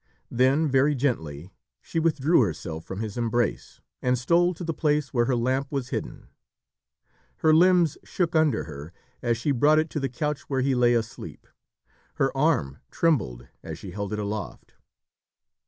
Then, very gently, she withdrew herself from his embrace, and stole to the place where her lamp was hidden. Her limbs shook under her as she brought it to the couch where he lay asleep; her arm trembled as she held it aloft.